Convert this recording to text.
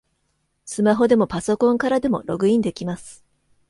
スマホでもパソコンからでもログインできます